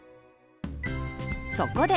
そこで！